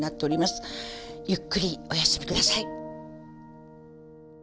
ゆっくりお休み下さい。